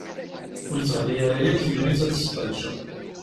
Ur yi-d-teɣli ara yakk tegnit ad tt-ssqedceɣ.